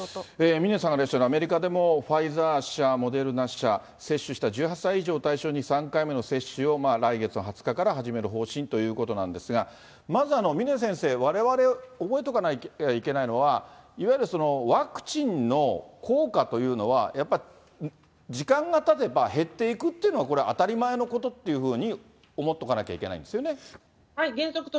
峰さんがいらっしゃるアメリカでも、ファイザー社、モデルナ社、接種した１８歳以上を対象に、３回目の接種を来月の２０日から始める方針ということなんですが、まず峰先生、われわれ覚えとかないといけないのは、いわゆるワクチンの効果というのは、やっぱり時間がたてば減っていくっていうのはこれ、当たり前のことっていうふうに思っとかなきゃいけないですよね。